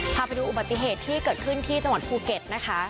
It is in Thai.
พาไปดูอุบัติเหตุที่เกิดขึ้นที่จังหวัดภูเก็ตนะคะ